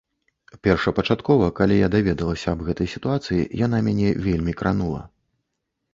Першапачаткова, калі я даведалася аб гэтай сітуацыі, яна мяне вельмі кранула.